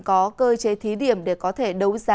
có cơ chế thí điểm để có thể đấu giá